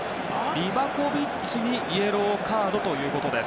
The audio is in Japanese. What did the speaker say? リバコビッチにイエローカードということです。